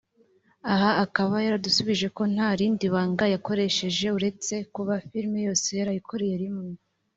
aha akaba yadusubije ko nta rindi banga yakoresheje uretse kuba filime yose yarayikoreye rimwe